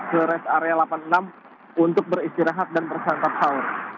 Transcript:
ke rest area delapan puluh enam untuk beristirahat dan bersantap sahur